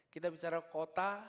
kita bicara kota